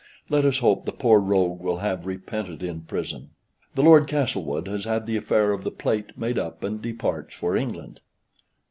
Let us hope the poor rogue will have repented in prison. "(The Lord Castlewood) has had the affair of the plate made up, and departs for England.